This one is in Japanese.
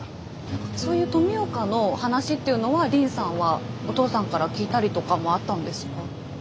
そういう富岡の話っていうのは凜さんはお父さんから聞いたりとかもあったんですか？